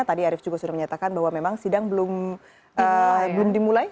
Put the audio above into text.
tadi arief juga sudah menyatakan bahwa memang sidang belum dimulai